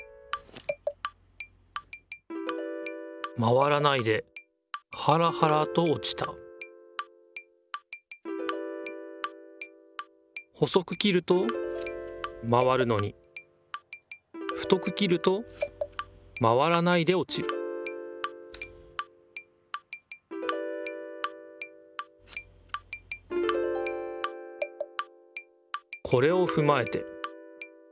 まわらないでハラハラとおちた細く切るとまわるのに太く切るとまわらないでおちるこれをふまえて。